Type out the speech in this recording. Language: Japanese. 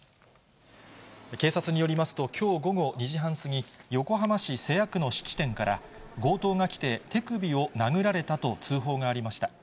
警察によりますと、きょう午後２時半過ぎ、横浜市瀬谷区の質店から、強盗が来て、手首を殴られたと通報がありました。